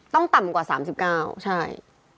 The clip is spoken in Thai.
ต้องต่ำกว่า๓๙ใช่